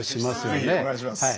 是非お願いします。